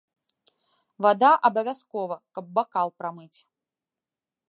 Вада абавязкова, каб бакал прамыць.